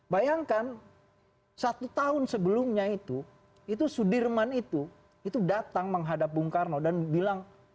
bayangkan satu tahun sebelumnya itu sudirman itu itu datang menghadap bung karno dan bilang